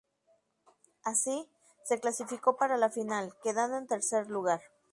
Así, se clasificó para la final, quedando en tercer lugar.